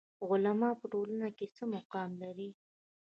علما په ټولنه کې څه مقام لري؟